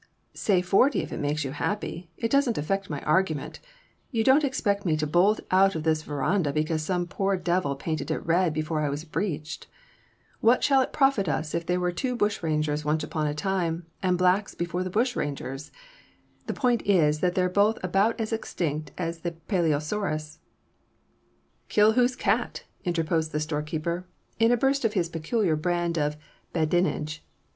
"Say forty if it makes you happy. It doesn't affect my argument. You don't expect me to bolt out of this verandah because some poor devil painted it red before I was breeched? What shall it profit us that there were bushrangers once upon a time, and blacks before the bushrangers? The point is that they're both about as extinct as the plesiosaurus " "Kill whose cat?" interposed the storekeeper in a burst of his peculiar brand of badinage.